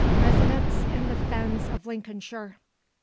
RESIDENCE IN THE FENS OF LINCOLNSHIRE.